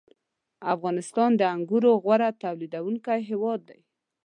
• افغانستان د انګورو غوره تولیدوونکی هېواد دی.